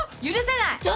許せない！